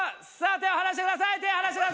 手を離してください。